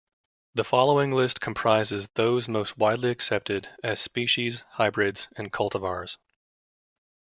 The following list comprises those most widely accepted as species, hybrids, and cultivars.